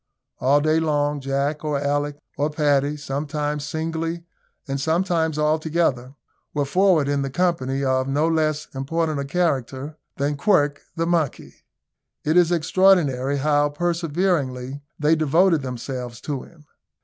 All day long, Jack, or Alick, or Paddy, sometimes singly and sometimes all together, were forward in the company of no less important a character than Quirk, the monkey. It is extraordinary how perseveringly they devoted themselves to him.